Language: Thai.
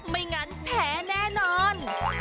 ไม่งั้นแพ้แน่นอน